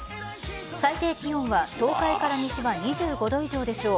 最低気温は東海から西は２５度以上でしょう。